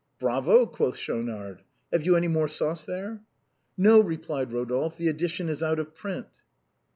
"" Bravo !" quoth Schaunard ;" have you any more sauce there?" " No," replied Rodolphe ;" the edition is out of print."